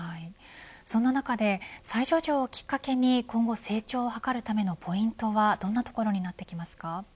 そんな中で再上場をきっかけに今後成長を図るためのポイントはどんなところになってきますか。